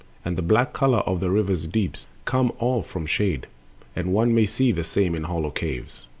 And the black color of the river's deeps Comes all from shade; and one may see the same In hollow caves.